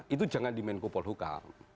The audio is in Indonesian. itu jangan di main kupol hukum